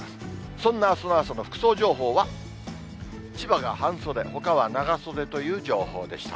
そんなあすの朝の服装情報は、千葉が半袖、ほかは長袖という情報でした。